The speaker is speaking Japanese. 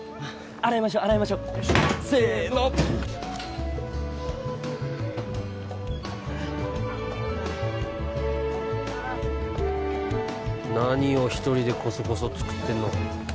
洗いましょ洗いましょせーの何を一人でコソコソ作ってんの？